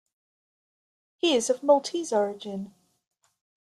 He is of Maltese origin.